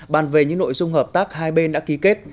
bàn về những nội dung hợp tác hai bên đã ký kết